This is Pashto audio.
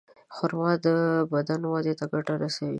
خرما د بدن وده ته ګټه رسوي.